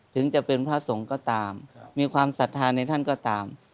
ถึงจะเป็นพระสงฆ์ก็ตามมีความศรัทธาในท่านก็ตาม